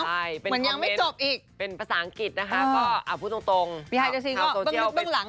อ้าวมันยังไม่จบอีกเป็นประสานกิจก็พูดตรง